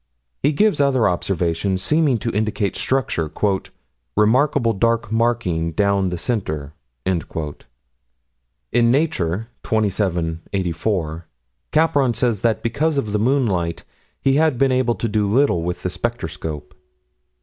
He gives other observations seeming to indicate structure "remarkable dark marking down the center." In Nature, 27 84, Capron says that because of the moonlight he had been able to do little with the spectroscope.